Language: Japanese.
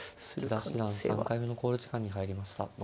千田七段３回目の考慮時間に入りました。